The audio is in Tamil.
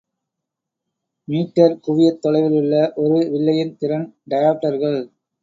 மீட்டர் குவியத் தொலைவிலுள்ள ஒரு வில்லையின் திறன் டயாப்டர்கள்.